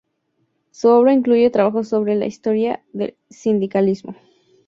Su obra incluye trabajos sobre la historia del sindicalismo.